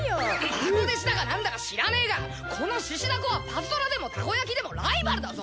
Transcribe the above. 孫弟子かなんだか知らねえがこの獅子だこはパズドラでもたこやきでもライバルだぞ！